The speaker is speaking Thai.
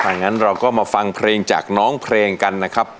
อย่างนั้นเราก็มาฟังเพลงจากน้องเพลงกันนะครับ